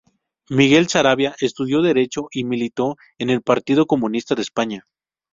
Miguel Sarabia estudió Derecho y militó en el Partido Comunista de España.